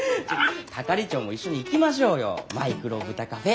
係長も一緒に行きましょうよマイクロブタカフェ。